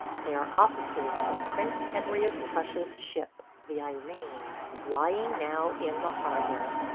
They are officers from Prince Henry of Prussia's ship, the Irene, lying now in the harbor.